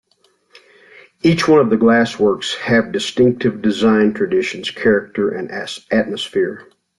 Each one of the glassworks have distinctive design traditions, character and atmosphere.